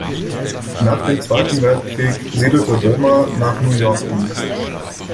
Nach dem Zweiten Weltkrieg siedelte Rohmer nach New York um.